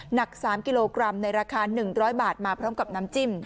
หนัก๓กิโลกรัมในราคา๑๐๐บาทมาพร้อมกับน้ำจิ้ม